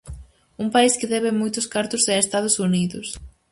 Un país que debe moitos cartos é Estados Unidos.